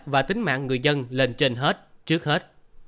và tính mạng người dân lên trên hết trước hết